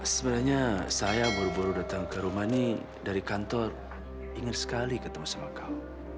sebenarnya saya buru buru datang ke rumah ini dari kantor ingin sekali ketemu sama kau